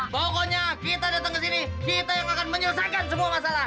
pokoknya kita datang ke sini kita yang akan menyelesaikan semua masalah